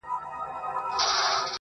چي زه تورنه ته تورن سې گرانه .